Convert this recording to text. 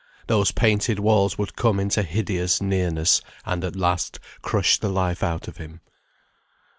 Those painted walls would come into hideous nearness, and at last crush the life out of him.